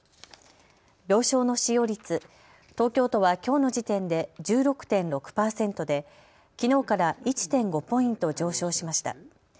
病床の使用率、東京都はきょうの時点で１６．６％できのうから１．５ポイント上昇しました。